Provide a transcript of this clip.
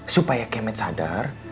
supaya kemet sadar